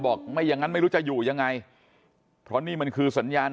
ไม่อย่างนั้นไม่รู้จะอยู่ยังไงเพราะนี่มันคือสัญญาณ